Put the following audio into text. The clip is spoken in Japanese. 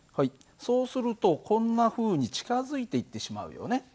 そうするとこんなふうに近づいていってしまうよね。